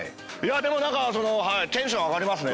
何かテンション上がりますね。